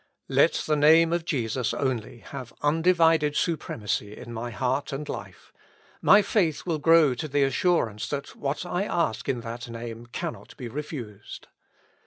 Let the Name of Jesus only have undivided supremacy in my heart and life, my faith will grow to the assurance that what I ask in that Name cannot be refused.